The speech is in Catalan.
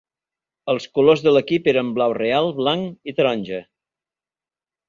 Els colors de l'equip eren blau reial, blanc i taronja.